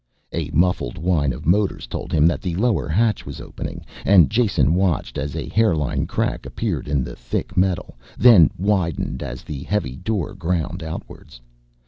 A muffled whine of motors told him that the lower hatch was opening, and Jason watched as a hairline crack appeared in the thick metal, then widened as the heavy door ground outwards.